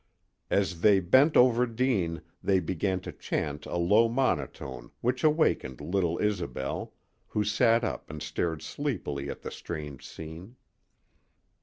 As they bent over Deane they began to chant a low monotone which awakened little Isobel, who sat up and stared sleepily at the strange scene.